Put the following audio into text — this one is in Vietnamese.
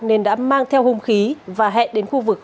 nên đã mang theo hung khí và hẹn đến khu vực